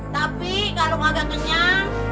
tapi kalo gak kenyang